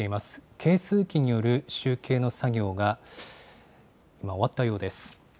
計数機による集計の作業が今、終わったようです。